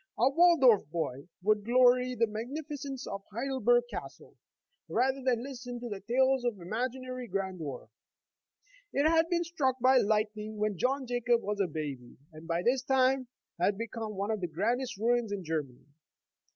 A Waldorf boy would glory in the magnificence of Heidelberg Castle, rather than listen to tales of imagi nary grandeur. It had been struck by lightning when John Jacob was a baby, and by this time had become one of the grandest ruins in Germany.